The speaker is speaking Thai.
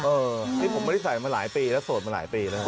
ที่ผมไม่ได้ใส่มาหลายปีแล้วโสดมาหลายปีแล้ว